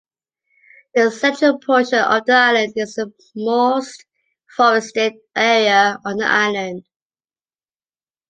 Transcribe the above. The central portion of the island is the most forested area on the island.